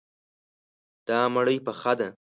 دا مړی پخه دی.